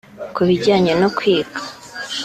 Ku bijyanye no kwiga